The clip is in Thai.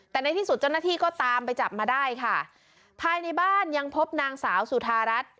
แต่ในที่สุดเจ้าหน้าที่ก็ตามไปจับมาได้ค่ะภายในบ้านยังพบนางสาวสุธารัฐ